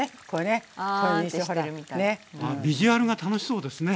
ビジュアルが楽しそうですね。